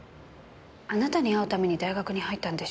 あなたに会うために大学に入ったんでしょうか。